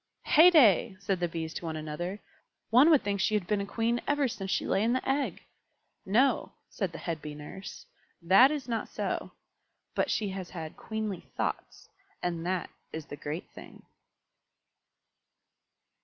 "Heyday!" said the Bees to one another. "One would think she had been a Queen ever since she lay in the egg." "No," said the head Bee Nurse; "that is not so. But she has had queenly thoughts, and that is the great thing."